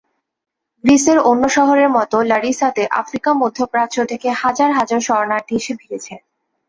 গ্রিসের অন্য শহরের মতো লারিসাতে আফ্রিকা-মধ্যপ্রাচ্য থেকে হাজার হাজার শরণার্থী এসে ভিড়েছে।